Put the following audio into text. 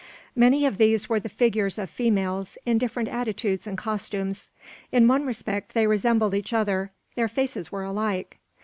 Many of these were the figures of females, in different attitudes and costumes. In one respect they resembled each other: their faces were alike.